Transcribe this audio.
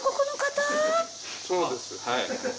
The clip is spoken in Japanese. そうなんですはい。